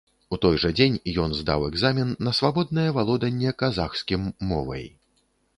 У той жа дзень ён здаў экзамен на свабоднае валоданне казахскім мовай.